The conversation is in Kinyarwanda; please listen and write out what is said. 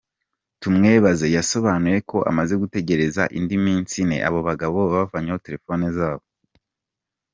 Tumwebaze yasobanuye ko amaze gutegereza indi minsi ine, abo bagabo bavanyeho telefoni zabo.